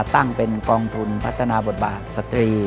ตั้งเป็นกองทุนพัฒนาบทบาทสตรี